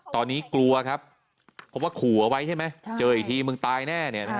ตอนนี้กลัวครับเพราะว่าขู่เอาไว้ใช่ไหมเจออีกทีมึงตายแน่